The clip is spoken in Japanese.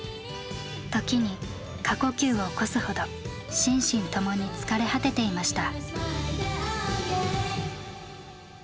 時に過呼吸を起こすほど心身ともに疲れ果てていました。